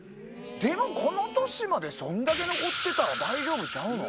この年までそんだけ残ってたら大丈夫ちゃうの？